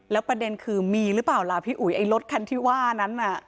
แล้วประเด็นคือมีหรือเปล่าล่ะพี่อุ๋ยไอ้รถคันที่ว่านั้นน่ะ